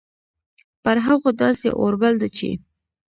پر هغو داسي اور بل ده چې